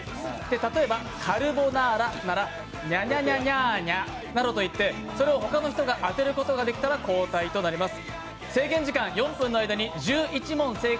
例えばカルボナーラなら、ニャニャニャニャーニャと言って、それをほかの人が当てることができたら交代となります。